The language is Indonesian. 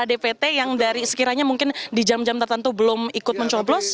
begitu pak ya menjemput para dpt yang dari sekiranya mungkin di jam jam tertentu belum ikut mencoblos